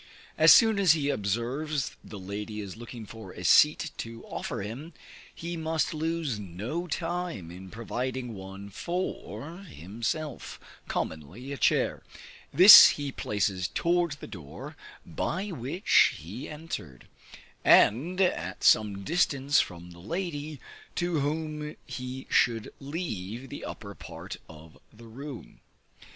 As soon as he observes the lady is looking for a seat to offer him, he must lose no time in providing one for himself (commonly a chair) this he places towards the door by which he entered, and at some distance from the lady, to whom he should leave the upper part of the room.